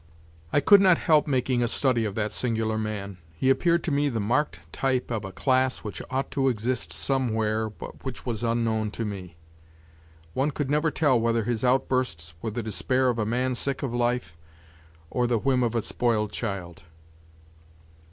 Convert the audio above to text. I could not help making a study of that singular man. He appeared to me the marked type of a class which ought to exist somewhere but which was unknown to me. One could never tell whether his outbursts were the despair of a man sick of life, or the whim of a spoiled child.